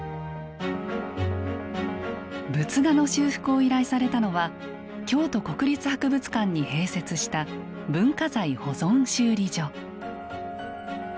仏画の修復を依頼されたのは京都国立博物館に併設した文化財保存修理所。